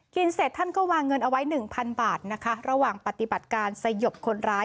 กินเสร็จท่านก็วางเงินเอาไว้๑๐๐๐บาทระหว่างปฏิบัติการสยบคนร้าย